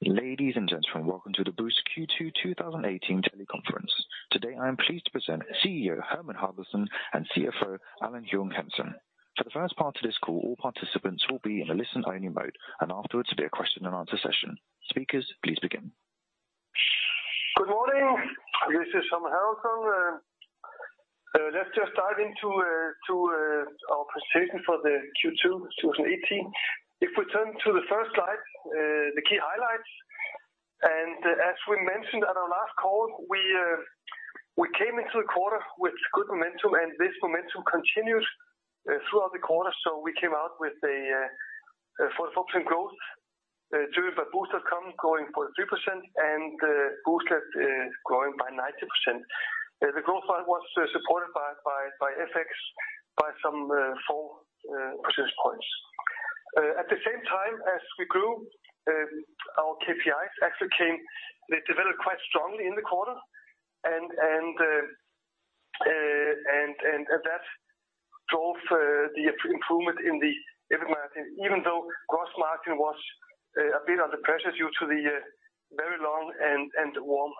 Ladies and gentlemen, welcome to the Boozt Q2 2018 teleconference. Today I am pleased to present CEO Hermann Haraldsson and CFO Allan Junge-Jensen. For the first part of this call, all participants will be in a listen-only mode, and afterwards it will be a question-and-answer session. Speakers, please begin. Good morning. This is Hermann Haraldsson. Let's just dive into our presentation for the Q2 2018. If we turn to the first slide, the key highlights, and, as we mentioned at our last call, we came into the quarter with good momentum, and this momentum continued throughout the quarter. So we came out with a 44% growth, driven by Boozt.com, growing 43%, and Booztlet, growing by 90%. The growth part was supported by FX by some 4 percentage points. At the same time as we grew, our KPIs actually developed quite strongly in the quarter, and that drove the improvement in the EBIT margin, even though gross margin was a bit under pressure due to the very long and warm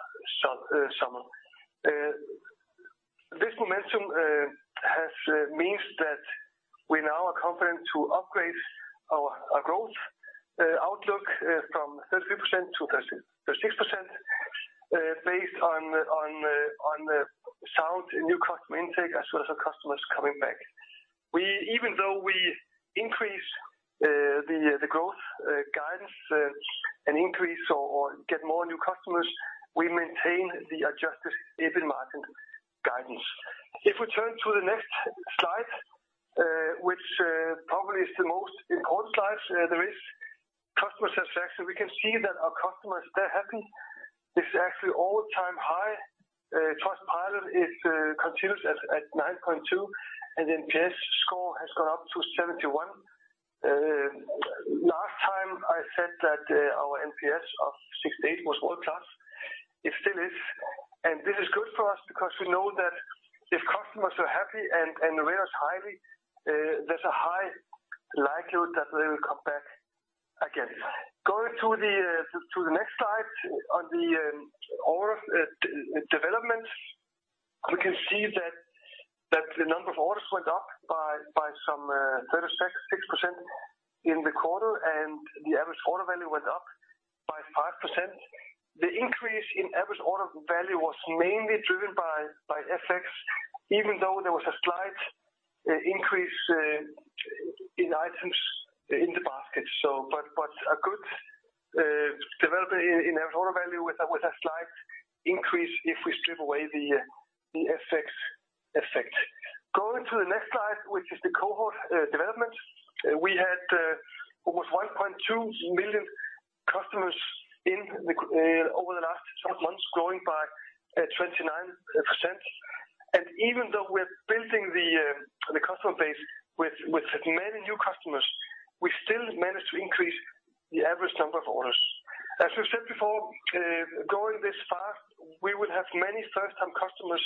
summer. This momentum means that we now are confident to upgrade our growth outlook from 33%-36%, based on sound new customer intake as well as our customers coming back. We, even though we increase the growth guidance and increase or get more new customers, maintain the adjusted EBIT margin guidance. If we turn to the next slide, which probably is the most important slide, there is customer satisfaction. We can see that our customers, they're happy. This is actually all-time high. Trustpilot continues at 9.2, and the NPS score has gone up to 71. Last time I said that, our NPS of 68 was world-class. It still is. And this is good for us because we know that if customers are happy and rate us highly, there's a high likelihood that they will come back again. Going to the next slide, on the order development, we can see that the number of orders went up by some 36% in the quarter, and the average order value went up by 5%. The increase in average order value was mainly driven by FX, even though there was a slight increase in items in the basket. So but a good development in average order value with a slight increase if we strip away the FX effect. Going to the next slide, which is the cohort development, we had almost 1.2 million customers in the cohort over the last 12 months, growing by 29%. And even though we're building the customer base with many new customers, we still managed to increase the average number of orders. As we've said before, going this fast, we will have many first-time customers,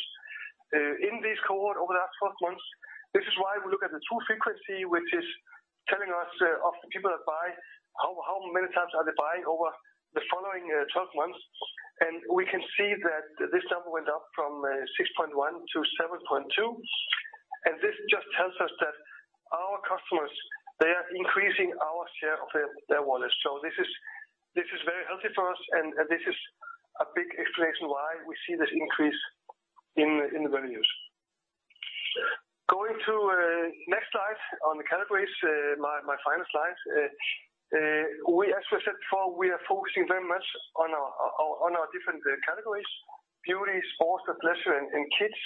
in this cohort over the last 12 months. This is why we look at the true frequency, which is telling us, of the people that buy, how, how many times are they buying over the following, 12 months. And we can see that this number went up from 6.1-7.2. And this just tells us that our customers, they are increasing our share of their, their wallets. So this is this is very healthy for us, and, and this is a big explanation why we see this increase in, in the revenues. Going to next slide on the categories, my, my final slide, we as we said before, we are focusing very much on our, our, our different, categories: beauty, Sport & Leisure, and, and kids.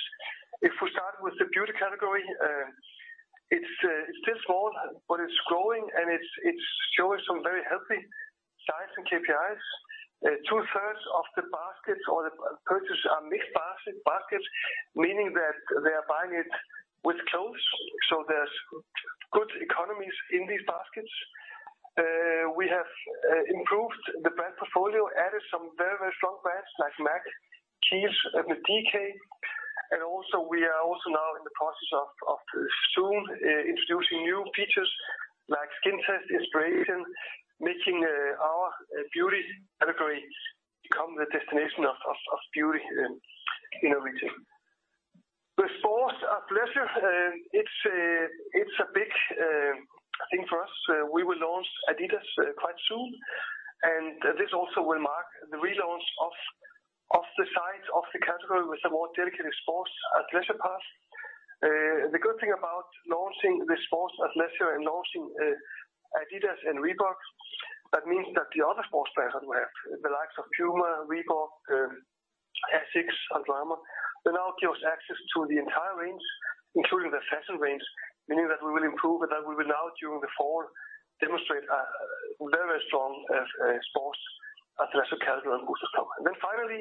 If we start with the beauty category, it's still small, but it's growing, and it's showing some very healthy size and KPIs. Two-thirds of the baskets or the purchases are mixed baskets, meaning that they are buying it with clothes. So there's good economies in these baskets. We have improved the brand portfolio, added some very, very strong brands like MAC, Kiehl's, and Urban Decay. And also we are also now in the process of soon introducing new features like skin test inspiration, making our beauty category become the destination of beauty in our region. The sport and leisure, it's a big thing for us. We will launch Adidas quite soon, and this also will mark the relaunch of the sport side of the category with a more dedicated sport and leisure path. The good thing about launching the sports & Leisure and launching Adidas and Reebok, that means that the other sports brands that we have, the likes of Puma, Reebok, Asics, and Diadora, they now give us access to the entire range, including the fashion range, meaning that we will improve and that we will now, during the fall, demonstrate a, a very, very strong sports & Leisure category on Boozt. Running also Olsen. And then finally,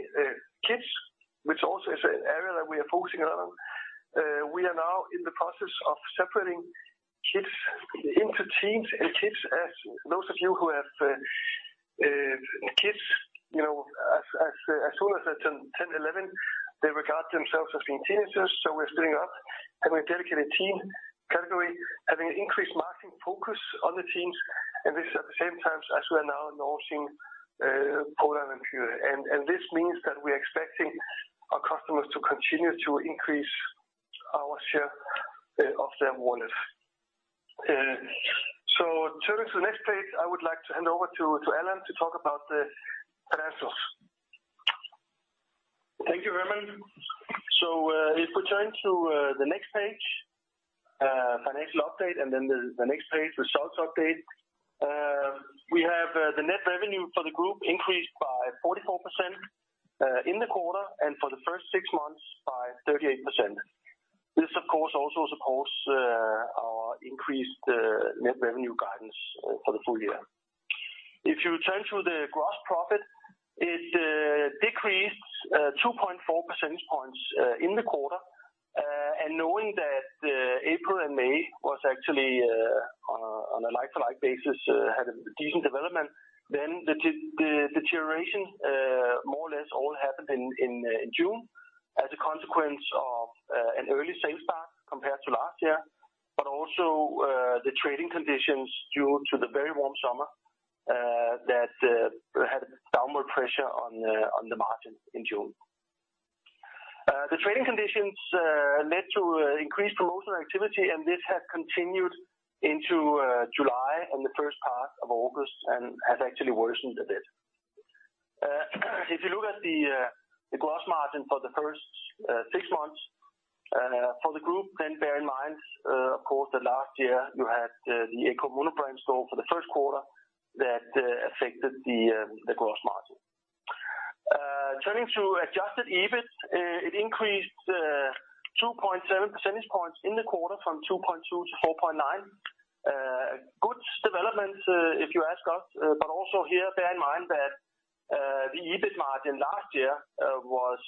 kids, which also is an area that we are focusing a lot on. We are now in the process of separating kids into teens and kids as those of you who have kids, you know, as, as, as soon as they're 10, 10, 11, they regard themselves as being teenagers. So we're splitting up, having a dedicated teen category, having an increased marketing focus on the teens, and this at the same time as we are now launching Polo and Vans. And this means that we are expecting our customers to continue to increase our share of their wallets. So turning to the next page, I would like to hand over to Allan to talk about the financials. Thank you, Hermann. So if we turn to the next page, financial update, and then the next page, results update, we have the net revenue for the group increased by 44% in the quarter and for the first six months by 38%. This of course also supports our increased net revenue guidance for the full year. If you turn to the gross profit, it decreased 2.4 percentage points in the quarter. Knowing that, April and May was actually, on a like-for-like basis, had a decent development, then the deterioration, more or less all happened in June as a consequence of an early sales start compared to last year, but also the trading conditions due to the very warm summer that had downward pressure on the margin in June. The trading conditions led to increased promotional activity, and this had continued into July and the first part of August and has actually worsened a bit. If you look at the gross margin for the first six months for the group, then bear in mind, of course, that last year you had the ECCO mono-brand store for the first quarter that affected the gross margin. Turning to adjusted EBIT, it increased 2.7 percentage points in the quarter from 2.2% to 4.9%. Good developments, if you ask us, but also here, bear in mind that the EBIT margin last year was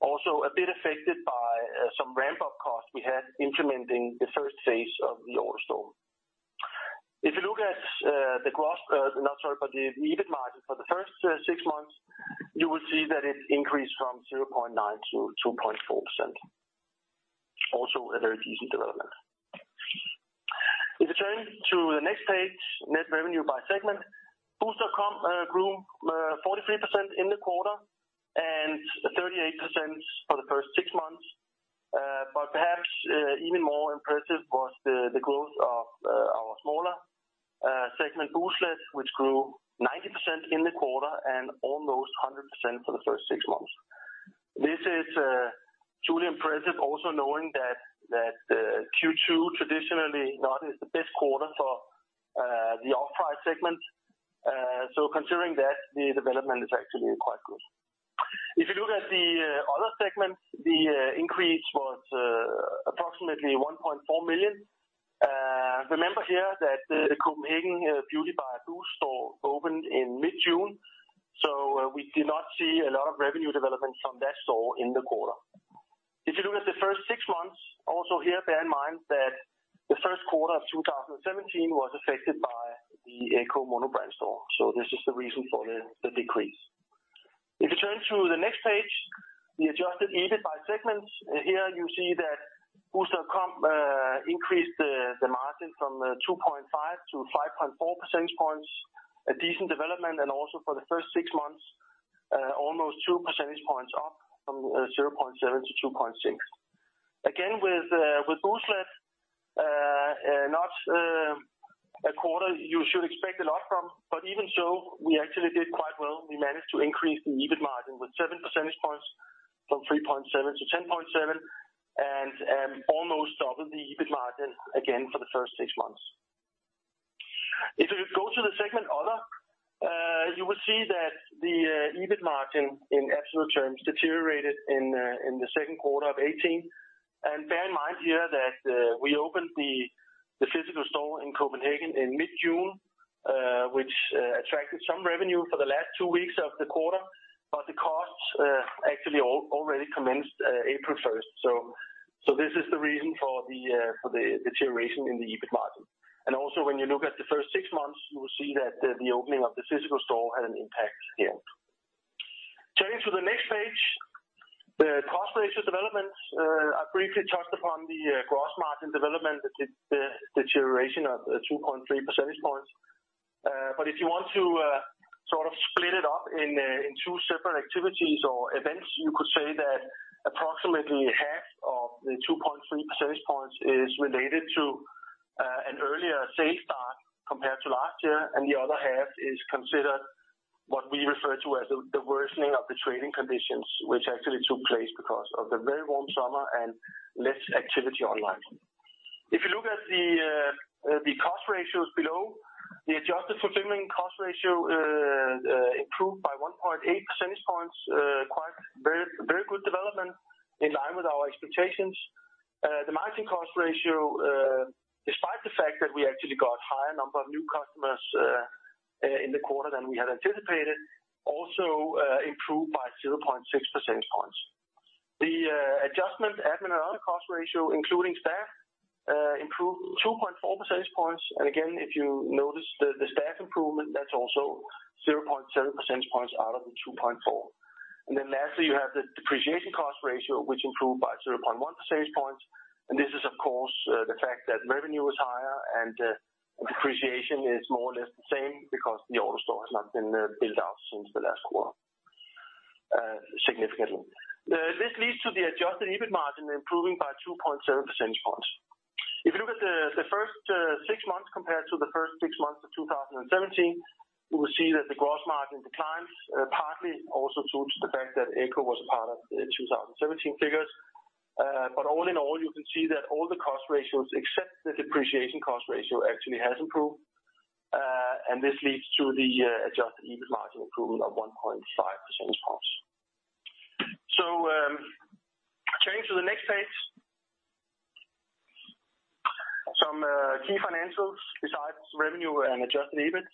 also a bit affected by some ramp-up costs we had implementing the first phase of the AutoStore. If you look at the EBIT margin for the first six months, you will see that it increased from 0.9% to 2.4%. Also a very decent development. If you turn to the next page, net revenue by segment, Boozt.com grew 43% in the quarter and 38% for the first six months. But perhaps even more impressive was the growth of our smaller segment, Booztlet, which grew 90% in the quarter and almost 100% for the first six months. This is truly impressive, also knowing that Q2 traditionally is not the best quarter for the off-price segment. So considering that, the development is actually quite good. If you look at the other segments, the increase was approximately 1.4 million. Remember here that the Copenhagen Beauty by Boozt store opened in mid-June, so we did not see a lot of revenue development from that store in the quarter. If you look at the first six months, also here, bear in mind that the first quarter of 2017 was affected by the ECCO mono-brand store. So this is the reason for the decrease. If you turn to the next page, the adjusted EBIT by segments, here you see that Boozt.com increased the margin from 2.5 to 5.4 percentage points. A decent development, and also for the first six months, almost 2 percentage points up from 0.7 to 2.6. Again, with Booztlet, not a quarter you should expect a lot from, but even so, we actually did quite well. We managed to increase the EBIT margin with 7 percentage points from 3.7% to 10.7% and almost double the EBIT margin again for the first six months. If you go to the segment other, you will see that the EBIT margin in absolute terms deteriorated in the second quarter of 2018. Bear in mind here that we opened the physical store in Copenhagen in mid-June, which attracted some revenue for the last two weeks of the quarter, but the costs actually already commenced April 1st. So this is the reason for the deterioration in the EBIT margin. And also when you look at the first six months, you will see that the opening of the physical store had an impact here. Turning to the next page, the cost ratio development, I briefly touched upon the gross margin development, the deterioration of 2.3 percentage points. But if you want to sort of split it up in two separate activities or events, you could say that approximately half of the 2.3 percentage points is related to an earlier sales start compared to last year, and the other half is considered what we refer to as the worsening of the trading conditions, which actually took place because of the very warm summer and less activity online. If you look at the cost ratios below, the adjusted fulfillment cost ratio improved by 1.8 percentage points, quite very, very good development in line with our expectations. The margin cost ratio, despite the fact that we actually got a higher number of new customers in the quarter than we had anticipated, also improved by 0.6 percentage points. The adjustment, admin, and other cost ratio, including staff, improved 2.4 percentage points. And again, if you notice the staff improvement, that's also 0.7 percentage points out of the 2.4. And then lastly, you have the depreciation cost ratio, which improved by 0.1 percentage points. And this is, of course, the fact that revenue was higher and depreciation is more or less the same because the Auto Store has not been built out since the last quarter, significantly. This leads to the adjusted EBIT margin improving by 2.7 percentage points. If you look at the first six months compared to the first six months of 2017, you will see that the gross margin declines, partly also due to the fact that ECCO was a part of the 2017 figures. But all in all, you can see that all the cost ratios, except the depreciation cost ratio, actually has improved. And this leads to the adjusted EBIT margin improvement of 1.5 percentage points. So, turning to the next page, some key financials besides revenue and adjusted EBIT.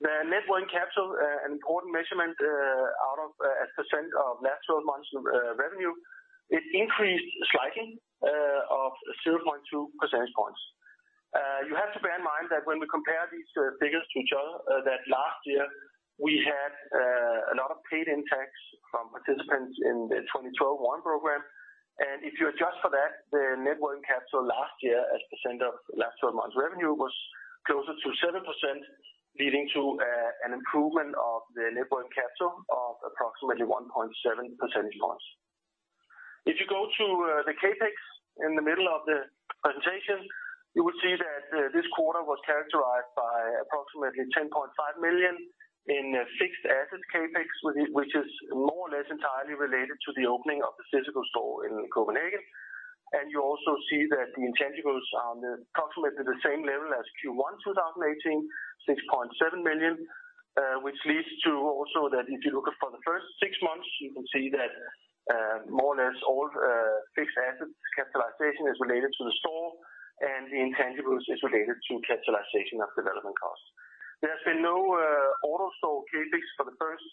The net working capital, an important measurement, out of as percent of last 12 months' revenue, it increased slightly, of 0.2 percentage points. You have to bear in mind that when we compare these figures to each other, that last year we had a lot of paid in tax from participants in the 2012 warrant program. If you adjust for that, the net working capital last year as percent of last 12 months' revenue was closer to 7%, leading to an improvement of the net working capital of approximately 1.7 percentage points. If you go to the Capex in the middle of the presentation, you will see that this quarter was characterized by approximately 10.5 million in fixed assets Capex, which is more or less entirely related to the opening of the physical store in Copenhagen. And you also see that the intangibles are on approximately the same level as Q1 2018, 6.7 million, which leads to also that if you look for the first six months, you can see that more or less all fixed assets capitalization is related to the store, and the intangibles is related to capitalization of development costs. There has been no AutoStore CapEx for the first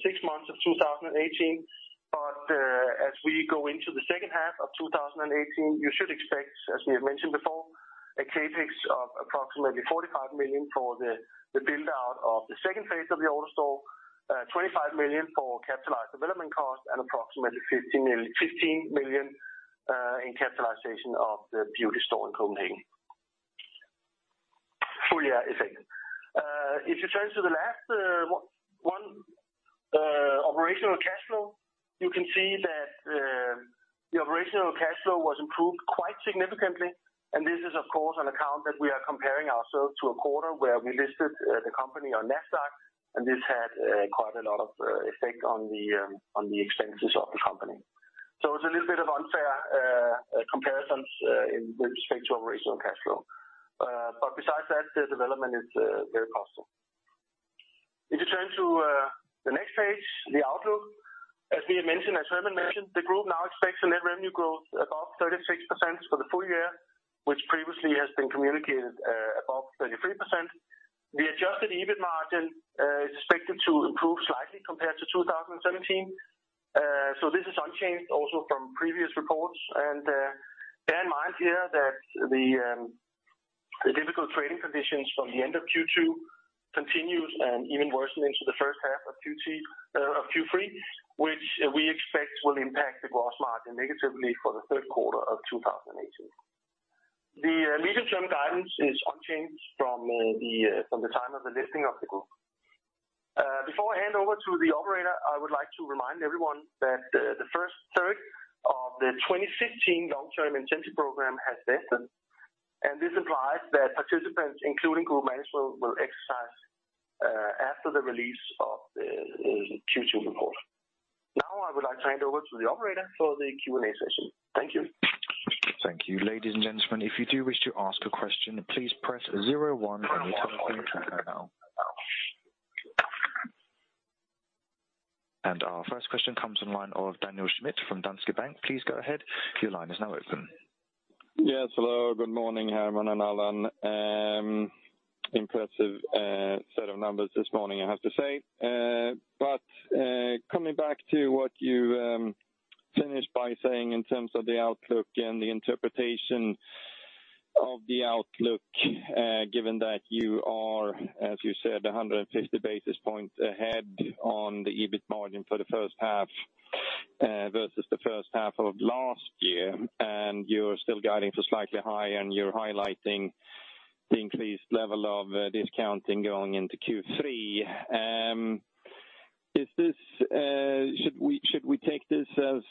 six months of 2018, but as we go into the second half of 2018, you should expect, as we have mentioned before, a CapEx of approximately 45 million for the build-out of the second phase of the AutoStore, 25 million for capitalized development cost, and approximately 15 million 15 million in capitalization of the beauty store in Copenhagen. Full year effect. If you turn to the last one, operational cash flow, you can see that the operational cash flow was improved quite significantly. And this is, of course, on account that we are comparing ourselves to a quarter where we listed the company on NASDAQ, and this had quite a lot of effect on the expenses of the company. So it's a little bit of unfair comparisons with respect to operational cash flow. But besides that, the development is very positive. If you turn to the next page, the outlook, as we had mentioned, as Hermann mentioned, the group now expects a net revenue growth above 36% for the full year, which previously has been communicated above 33%. The adjusted EBIT margin is expected to improve slightly compared to 2017. This is unchanged also from previous reports. Bear in mind here that the difficult trading conditions from the end of Q2 continued and even worsened into the first half of Q3, which we expect will impact the gross margin negatively for the third quarter of 2018. The medium-term guidance is unchanged from the time of the listing of the group. Before I hand over to the operator, I would like to remind everyone that the first third of the 2015 long-term intention program has vested, and this implies that participants, including group management, will exercise after the release of the Q2 report. Now, I would like to hand over to the operator for the Q&A session. Thank you. Thank you. Ladies and gentlemen, if you do wish to ask a question, please press 01 on your telephone to hang up. Our first question comes from Daniel Schmidt from Danske Bank. Please go ahead. Your line is now open. Yes. Hello. Good morning, Hermann and Allan. Impressive set of numbers this morning, I have to say. But coming back to what you finished by saying in terms of the outlook and the interpretation of the outlook, given that you are, as you said, 150 basis points ahead on the EBIT margin for the first half versus the first half of last year, and you're still guiding for slightly higher, and you're highlighting the increased level of discounting going into Q3. Is this, should we take this as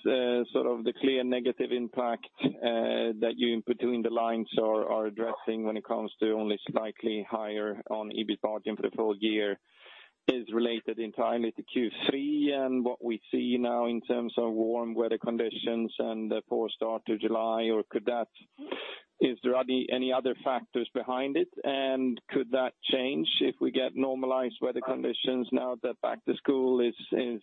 sort of the clear negative impact that you in between the lines are addressing when it comes to only slightly higher on EBIT margin for the full year is related entirely to Q3 and what we see now in terms of warm weather conditions and poor start to July, or could that, is there any other factors behind it, and could that change if we get normalized weather conditions now that back to school season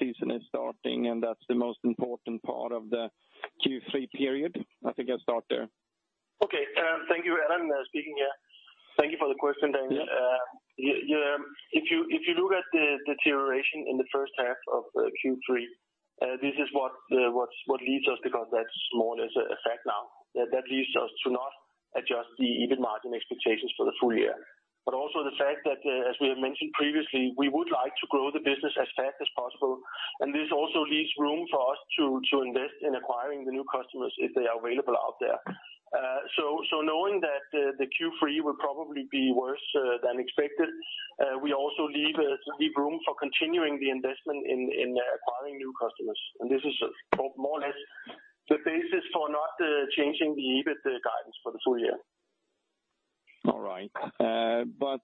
is starting and that's the most important part of the Q3 period? I think I'll start there. Okay. Thank you, Allan, speaking here. Thank you for the question, Daniel. If you look at the deterioration in the first half of Q3, this is what leads us because that's more or less a fact now. That leads us to not adjust the EBIT margin expectations for the full year. But also the fact that, as we have mentioned previously, we would like to grow the business as fast as possible, and this also leaves room for us to invest in acquiring new customers if they are available out there. So knowing that the Q3 will probably be worse than expected, we also leave room for continuing the investment in acquiring new customers. And this is more or less the basis for not changing the EBIT guidance for the full year. All right. But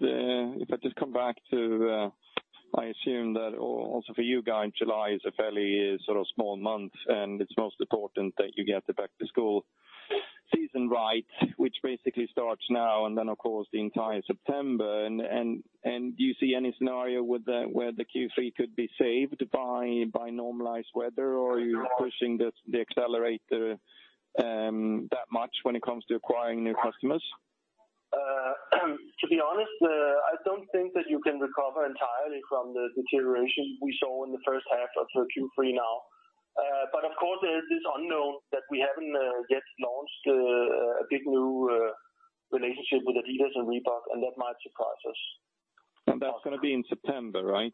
if I just come back to, I assume that also for you guys, July is a fairly sort of small month, and it's most important that you get the back-to-school season right, which basically starts now and then, of course, the entire September. And do you see any scenario where the Q3 could be saved by normalized weather, or are you pushing the accelerator that much when it comes to acquiring new customers? To be honest, I don't think that you can recover entirely from the deterioration we saw in the first half of Q3 now. But of course, it is unknown that we haven't yet launched a big new relationship with Adidas and Reebok, and that might surprise us. That's gonna be in September, right?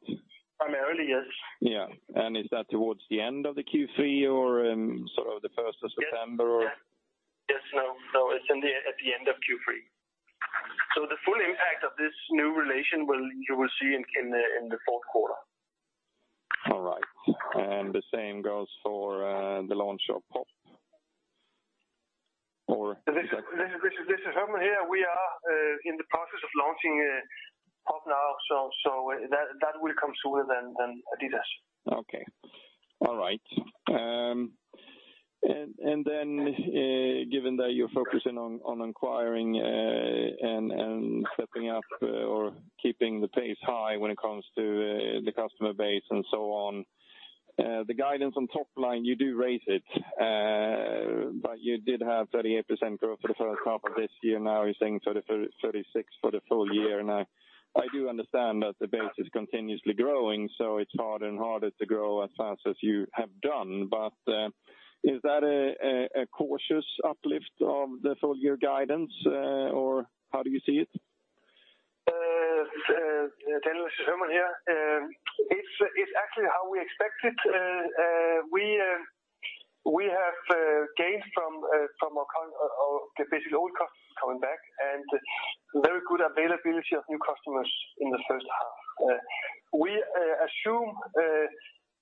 Primarily, yes. Yeah. And is that towards the end of the Q3, or sort of the first of September, or? Yes. Yes. Yes. No. No. It's at the end of Q3. So the full impact of this new relation you will see in the fourth quarter. All right. The same goes for the launch of PO.P, or exactly? This is Hermann here. We are in the process of launching PO.P now, so that will come sooner than Adidas. Okay. All right. Then, given that you're focusing on acquiring and stepping up, or keeping the pace high when it comes to the customer base and so on, the guidance on top line, you do raise it, but you did have 38% growth for the first half of this year. Now you're saying 33%-36% for the full year. Now, I do understand that the base is continuously growing, so it's harder and harder to grow as fast as you have done. But, is that a cautious uplift of the full year guidance, or how do you see it? Daniel, it's Hermann here. It's actually how we expected. We have gained from our basically old customers coming back and very good availability of new customers in the first half. We assume,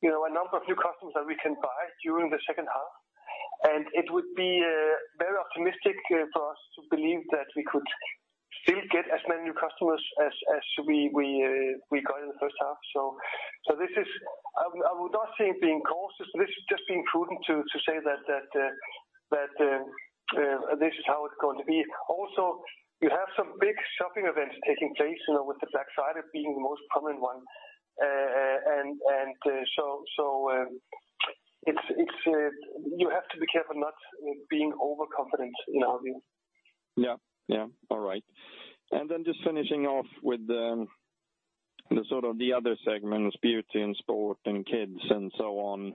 you know, a number of new customers that we can buy during the second half. And it would be very optimistic for us to believe that we could still get as many new customers as we got in the first half. So, this is. I would not say it being cautious. This is just being prudent to say that this is how it's going to be. Also, you have some big shopping events taking place, you know, with the Black Friday being the most prominent one. And so it's you have to be careful not being overconfident in our view. Yeah. Yeah. All right. Then just finishing off with sort of the other segments, beauty and sport and kids and so on,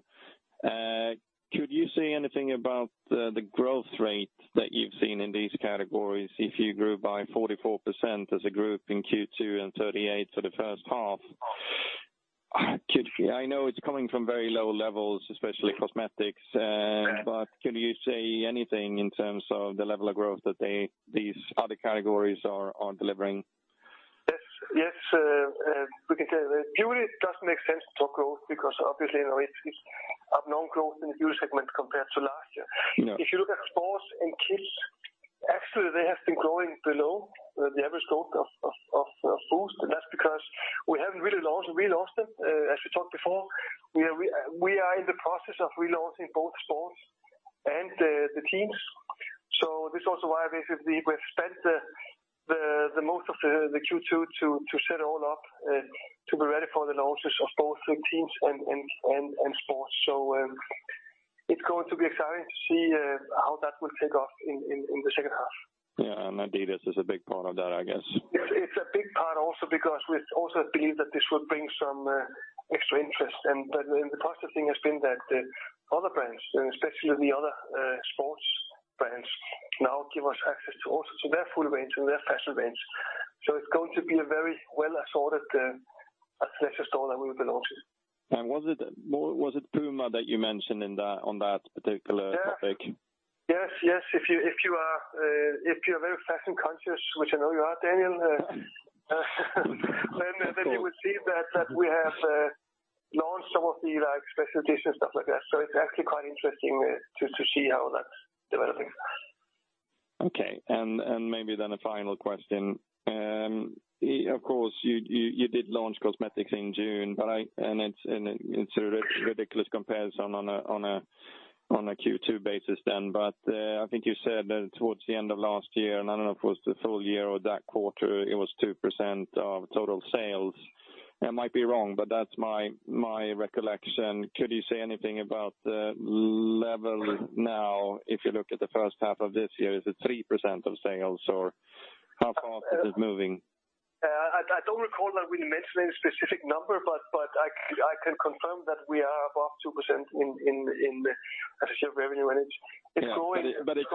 could you say anything about the growth rate that you've seen in these categories? If you grew by 44% as a group in Q2 and 38% for the first half, you know it's coming from very low levels, especially cosmetics, but could you say anything in terms of the level of growth that these other categories are delivering? Yes. Yes. We can say that beauty doesn't make sense to talk growth because obviously, you know, it's, it's up-and-down growth in the beauty segment compared to last year. Yeah. If you look at sports and kids, actually, they have been growing below the average growth of Boozt. And that's because we haven't really launched them, as we talked before. We are in the process of relaunching both sports and the teens. So this is also why basically we've spent the most of the Q2 to set all up, to be ready for the launches of both teens and sports. So, it's going to be exciting to see how that will take off in the second half. Yeah. Adidas is a big part of that, I guess. It's a big part also because we also believe that this will bring some extra interest. But the positive thing has been that other brands, and especially the other sports brands, now give us access to their full range and their fashion range. So it's going to be a very well-assorted athletic store that we will be launching. Was it more, was it Puma that you mentioned in that on that particular topic? Yes. Yes. Yes. If you are very fashion conscious, which I know you are, Daniel, then you will see that we have launched some of the, like, special editions, stuff like that. So it's actually quite interesting to see how that's developing. Okay. And maybe then a final question. Of course, you did launch cosmetics in June, but it's a ridiculous comparison on a Q2 basis then. But, I think you said that towards the end of last year and I don't know if it was the full year or that quarter, it was 2% of total sales. I might be wrong, but that's my recollection. Could you say anything about the level now if you look at the first half of this year? Is it 3% of sales, or how fast is it moving? I don't recall that we mentioned any specific number, but I can confirm that we are above 2% in revenue, as I said. It's growing. Yeah. But it's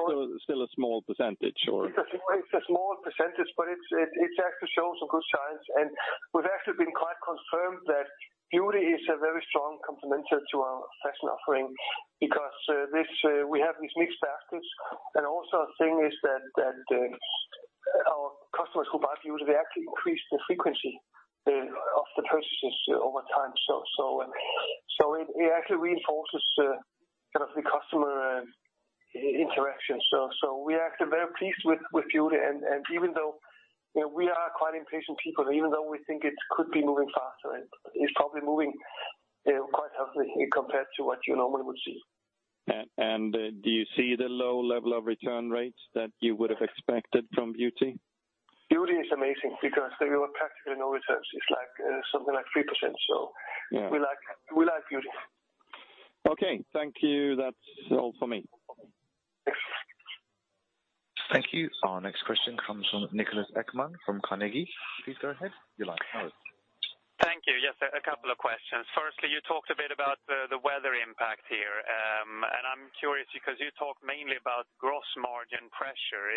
still a small percentage, or? It's a small percentage, but it actually shows some good signs. And we've actually been quite confirmed that beauty is a very strong complementary to our fashion offering because we have these mixed factors. And also the thing is that our customers who buy beauty, they actually increase the frequency of the purchases over time. So it actually reinforces kind of the customer interaction. So we are actually very pleased with beauty. And even though, you know, we are quite impatient people, even though we think it could be moving faster, it's probably moving quite healthily compared to what you normally would see. Do you see the low level of return rates that you would have expected from beauty? Beauty is amazing because there were practically no returns. It's like, something like 3%. So. Yeah. We like, we like beauty. Okay. Thank you. That's all for me. Thanks. Thank you. Our next question comes from Niklas Ekman from Carnegie. Please go ahead. You're like. Thank you. Yes, a couple of questions. Firstly, you talked a bit about the weather impact here, and I'm curious because you talk mainly about gross margin pressure.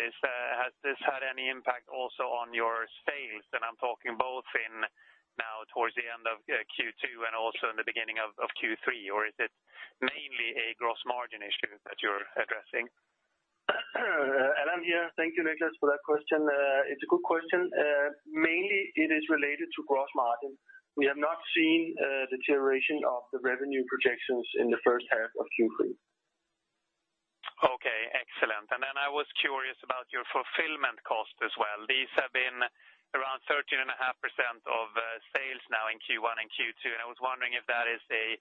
Has this had any impact also on your sales? And I'm talking both in now towards the end of Q2 and also in the beginning of Q3, or is it mainly a gross margin issue that you're addressing? Allan here. Thank you, Niklas, for that question. It's a good question. Mainly, it is related to gross margin. We have not seen deterioration of the revenue projections in the first half of Q3. Okay. Excellent. And then I was curious about your fulfillment costs as well. These have been around 13.5% of sales now in Q1 and Q2. And I was wondering if that is a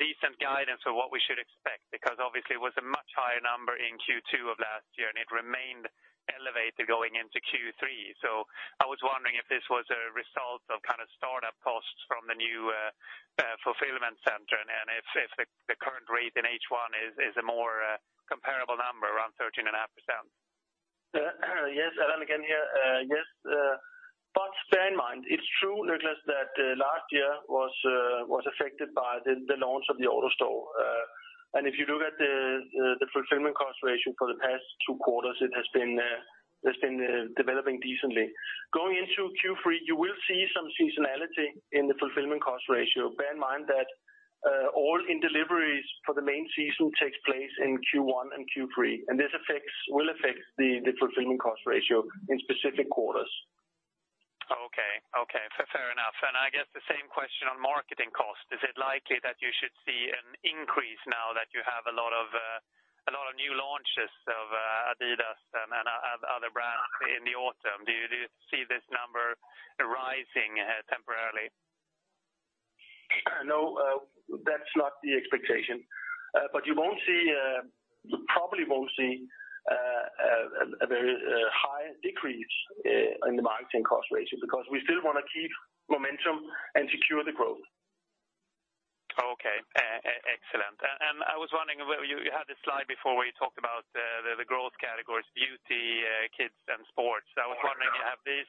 decent guidance for what we should expect because obviously, it was a much higher number in Q2 of last year, and it remained elevated going into Q3. So I was wondering if this was a result of kind of startup costs from the new fulfillment center and if the current rate in H1 is a more comparable number, around 13.5%. Yes. Allan again here. Yes, but bear in mind, it's true, Niklas, that last year was, was affected by the, the launch of the AutoStore. And if you look at the, the fulfillment cost ratio for the past two quarters, it has been, it has been, developing decently. Going into Q3, you will see some seasonality in the fulfillment cost ratio. Bear in mind that all in-deliveries for the main season takes place in Q1 and Q3. And this affects will affect the, the fulfillment cost ratio in specific quarters. Okay. Okay. Fair enough. And I guess the same question on marketing costs. Is it likely that you should see an increase now that you have a lot of, a lot of new launches of Adidas and, and other, other brands in the autumn? Do you see this number rising, temporarily? No, that's not the expectation. But you probably won't see a very high decrease in the marketing cost ratio because we still wanna keep momentum and secure the growth. Okay. Excellent. And I was wondering, well, you had this slide before where you talked about the growth categories, beauty, kids, and sports. I was wondering. Yes.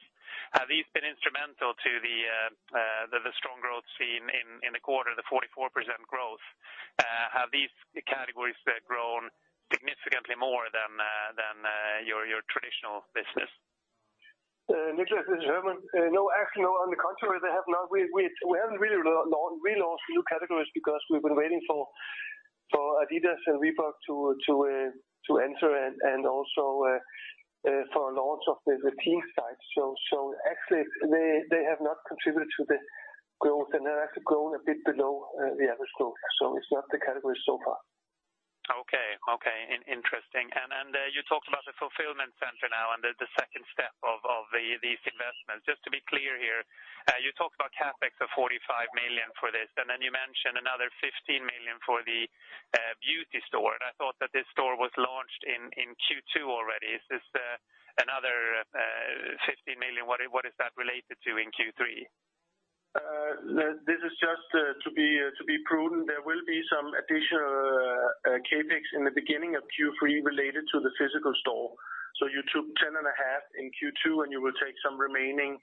Have these been instrumental to the strong growth seen in the quarter, the 44% growth? Have these categories grown significantly more than your traditional business? Niklas, this is Hermann. No, actually, no. On the contrary, they have not. We haven't really launched relaunched new categories because we've been waiting for Adidas and Reebok to enter and also for a launch of the teen site. So actually, they have not contributed to the growth, and they're actually growing a bit below the average growth. So it's not the categories so far. Okay. Okay. Interesting. And you talked about the fulfillment center now and the second step of these investments. Just to be clear here, you talked about CapEx of 45 million for this, and then you mentioned another 15 million for the beauty store. And I thought that this store was launched in Q2 already. Is this another 15 million? What is that related to in Q3? This is just, to be prudent, there will be some additional CapEx in the beginning of Q3 related to the physical store. So you took 10.5 in Q2, and you will take some remaining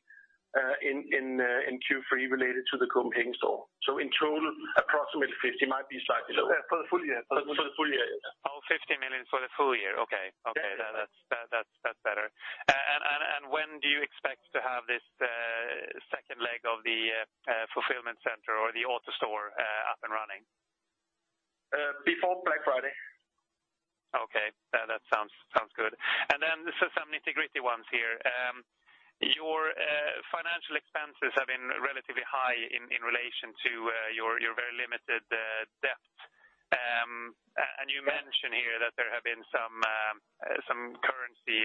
in Q3 related to the Copenhagen store. So in total, approximately 50. Might be slightly lower. For the full year. For the full year. For the full year, yes. Oh, 15 million for the full year. Okay. Okay. That's better. And when do you expect to have this second leg of the fulfillment center or the AutoStore up and running? before Black Friday. Okay. That sounds good. And then some interesting ones here. Your financial expenses have been relatively high in relation to your very limited debt. And you mention here that there have been some currency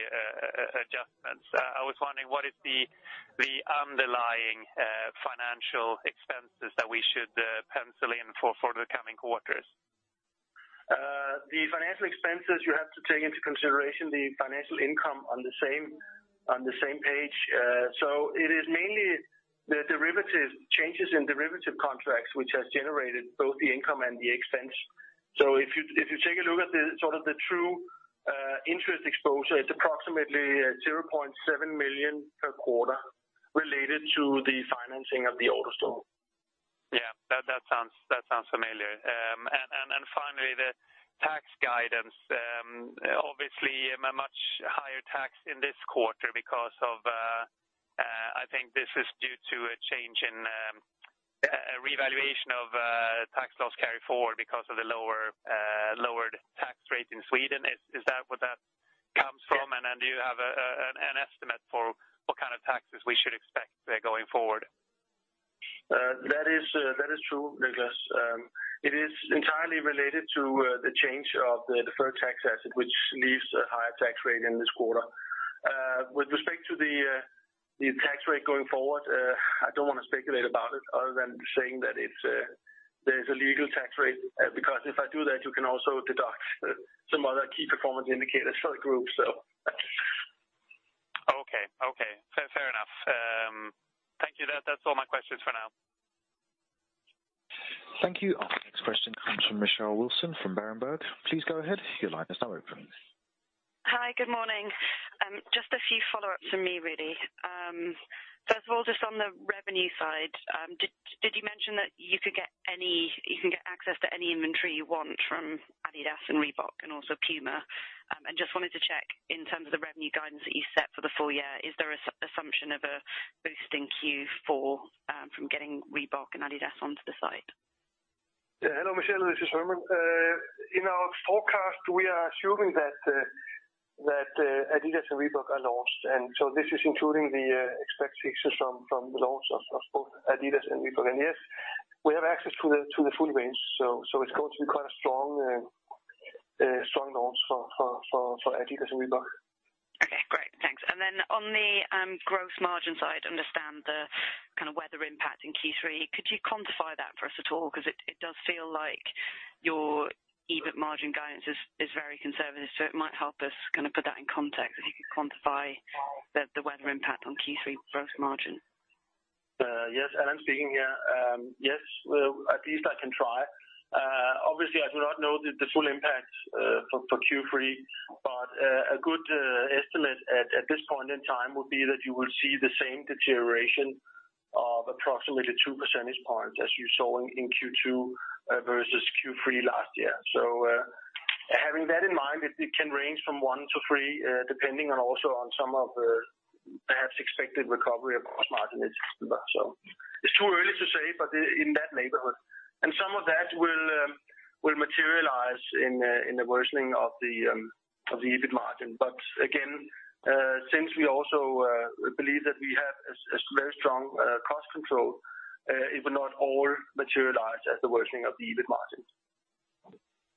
adjustments. I was wondering, what is the underlying financial expenses that we should pencil in for the coming quarters? The financial expenses, you have to take into consideration the financial income on the same on the same page. So, it is mainly the derivatives changes in derivative contracts, which has generated both the income and the expense. So if you if you take a look at the sort of the true interest exposure, it's approximately 0.7 million per quarter related to the financing of the AutoStore. Yeah. That sounds familiar. And finally, the tax guidance. Obviously, a much higher tax in this quarter because of, I think, this is due to a change in, a revaluation of, tax loss carry forward because of the lowered tax rate in Sweden. Is that what that comes from? And do you have an estimate for what kind of taxes we should expect, going forward? That is, that is true, Niklas. It is entirely related to the change of the deferred tax asset, which leaves a higher tax rate in this quarter. With respect to the tax rate going forward, I don't wanna speculate about it other than saying that it's, there is a legal tax rate. Because if I do that, you can also deduct some other key performance indicators for the group, so. Okay. Okay. Fair enough. Thank you. That, that's all my questions for now. Thank you. Our next question comes from Michelle Wilson from Berenberg. Please go ahead. Your line is now open. Hi. Good morning. Just a few follow-ups from me, really. First of all, just on the revenue side, did you mention that you can get access to any inventory you want from Adidas and Reebok and also Puma? And just wanted to check in terms of the revenue guidance that you set for the full year, is there an assumption of a boost in Q4, from getting Reebok and Adidas onto the site? Yeah. Hello, Michelle. This is Hermann. In our forecast, we are assuming that Adidas and Reebok are launched. And so this is including the expectations from the launch of both Adidas and Reebok. And yes, we have access to the full range. So it's going to be quite a strong launch for Adidas and Reebok. Okay. Great. Thanks. And then on the gross margin side, understand the kind of weather impact in Q3. Could you quantify that for us at all? 'Cause it, it does feel like your EBIT margin guidance is, is very conservative, so it might help us kind of put that in context if you could quantify the, the weather impact on Q3 gross margin. Yes, Allan speaking here. Yes, at least I can try. Obviously, I do not know the full impact for Q3, but a good estimate at this point in time would be that you will see the same deterioration of approximately 2 percentage points as you saw in Q2 versus Q3 last year. So, having that in mind, it can range from 1-3, depending on also on some of the perhaps expected recovery of gross margin in September. So it's too early to say, but it in that neighborhood. And some of that will materialize in the worsening of the EBIT margin. But again, since we also believe that we have a very strong cost control, it will not all materialize as the worsening of the EBIT margin.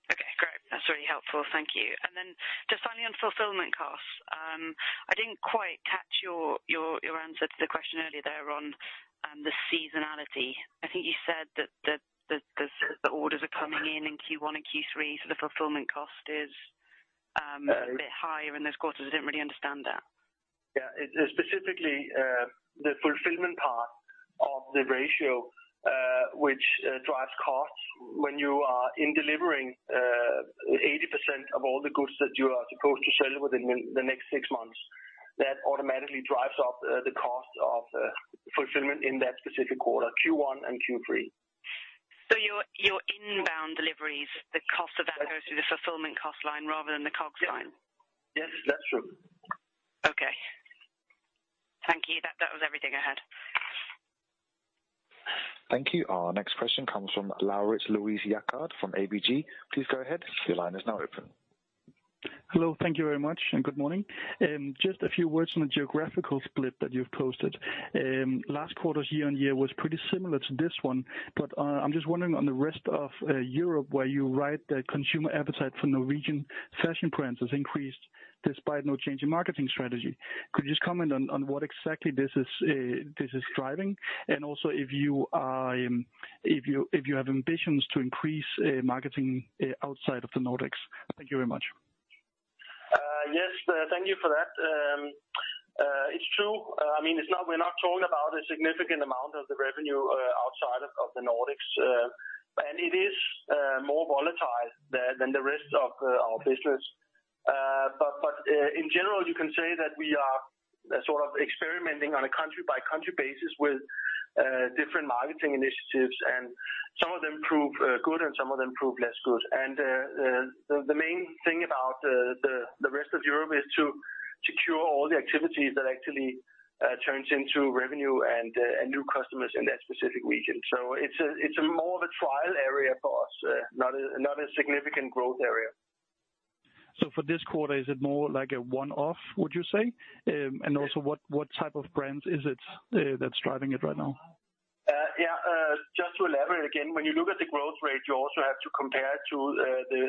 Okay. Great. That's really helpful. Thank you. And then just finally on fulfillment costs, I didn't quite catch your answer to the question earlier there on the seasonality. I think you said that the orders are coming in in Q1 and Q3, so the fulfillment cost is a bit higher in those quarters. I didn't really understand that. Yeah. It, specifically, the fulfillment part of the ratio, which drives costs when you are in delivering 80% of all the goods that you are supposed to sell within the next six months, that automatically drives up the cost of fulfillment in that specific quarter, Q1 and Q3. Your inbound deliveries, the cost of that goes through the fulfillment cost line rather than the COGS line? Yep. Yes. That's true. Okay. Thank you. That, that was everything I had. Thank you. Our next question comes from Laurits Louis Kjaergaard from ABG. Please go ahead. Your line is now open. Hello. Thank you very much. Good morning. Just a few words on the geographical split that you've posted. Last quarter's year-on-year was pretty similar to this one. I'm just wondering on the rest of Europe where you write that consumer appetite for Norwegian fashion brands has increased despite no change in marketing strategy. Could you just comment on what exactly this is driving? And also if you have ambitions to increase marketing outside of the Nordics. Thank you very much. Yes. Thank you for that. It's true. I mean, it's not we're not talking about a significant amount of the revenue, outside of, of the Nordics. And it is, more volatile than, than the rest of, our business. But, but, in general, you can say that we are sort of experimenting on a country-by-country basis with, different marketing initiatives. And some of them prove, good, and some of them prove less good. And, the, the main thing about, the, the rest of Europe is to secure all the activities that actually, turns into revenue and, and new customers in that specific region. So it's a it's a more of a trial area for us, not a not a significant growth area. So for this quarter, is it more like a one-off, would you say? And also, what, what type of brands is it that's driving it right now? Yeah. Just to elaborate again, when you look at the growth rate, you also have to compare it to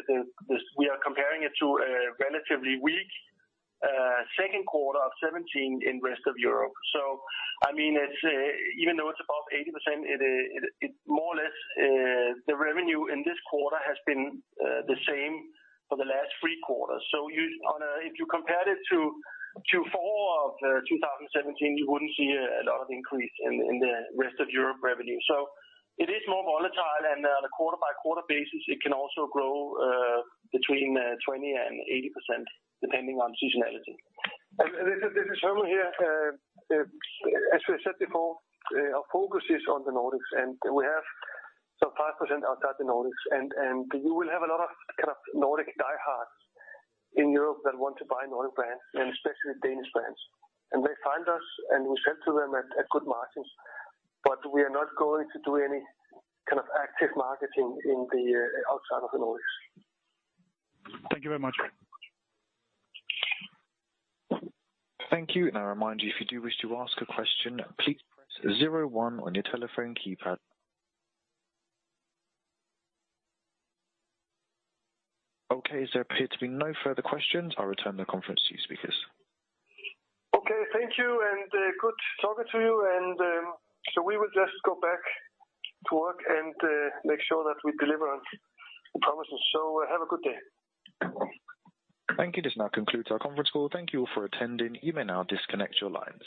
the we are comparing it to a relatively weak second quarter of 2017 in rest of Europe. So I mean, it's even though it's above 80%, it more or less the revenue in this quarter has been the same for the last three quarters. So you on a if you compare it to Q4 of 2017, you wouldn't see a lot of increase in in the rest of Europe revenue. So it is more volatile. And on a quarter-by-quarter basis, it can also grow between 20%-80% depending on seasonality. And this is Hermann here. As we said before, our focus is on the Nordics. And we have some 5% outside the Nordics. And you will have a lot of kind of Nordic die-hards in Europe that want to buy Nordic brands, and especially Danish brands. And they find us, and we sell to them at good margins. But we are not going to do any kind of active marketing in the outside of the Nordics. Thank you very much. Thank you. I remind you, if you do wish to ask a question, please press 01 on your telephone keypad. Okay. As there appear to be no further questions, I'll return the conference to you, speakers. Okay. Thank you. And good talking to you. And so we will just go back to work and make sure that we deliver on the promises. So have a good day. Thank you. This now concludes our conference call. Thank you all for attending. You may now disconnect your lines.